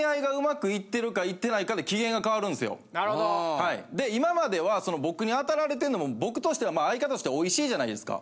はいで今までは僕に当たられてるのも僕としてはまあ相方としてはおいしいじゃないですか。